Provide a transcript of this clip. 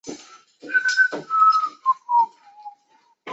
徐梦熊甲辰科武进士。